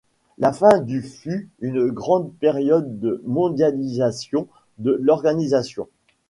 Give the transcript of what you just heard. La fin du fut une grande période de mondialisation de l’organisation.